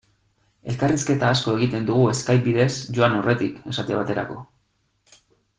Elkarrizketa asko egiten dugu Skype bidez joan aurretik, esate baterako.